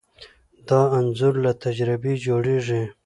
دا انځور له تجربې جوړېږي.